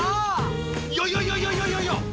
いやいやいやいやいやいやいや！